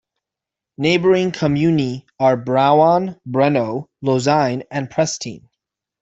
Neighbouring comuni are Braone, Breno, Losine and Prestine.